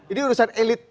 ini urusan elit